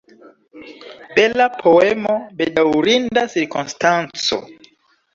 Bela poemo, bedaŭrinda cirkonstanco.